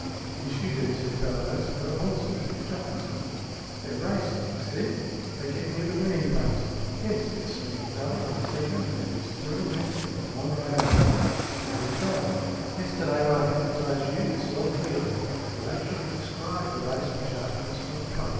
"Yes, you do," said Bellowes. "There are horses with jockeys on them. They are racing. See ? They get near the winning post." " Yes," said Smeath, dully. " I see them, but it is through a mist and a long way off. Now they're gone." " Yesterday when I hypnotized you, you saw clearly. You actually described a race which afterwards took place.